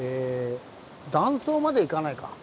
断層までいかないか。